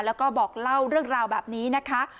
แล้วก็บอกเล่าเรื่องราวแบบนี้นะคะ